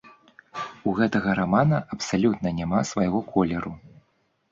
У гэтага рамана абсалютна няма свайго колеру.